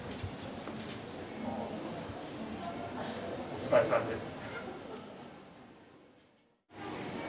お疲れさんです。